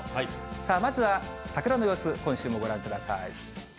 さあ、まずは桜の様子、今週もご覧ください。